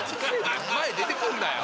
前出てくるなよ。